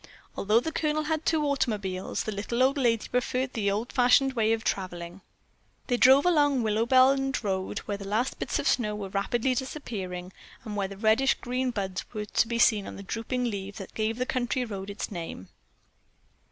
Although the Colonel had two automobiles, the little old lady preferred the old fashioned way of traveling. They drove along Willowbend Road, where the last bits of snow were rapidly disappearing and where reddish green buds were to be seen on the drooping trees that gave the country road its name.